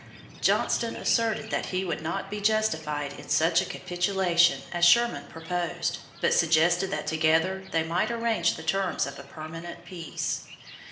Johnston asserted that he would not be justified in such a capitulation as Sherman proposed, but suggested that together they might arrange the terms of a permanent peace.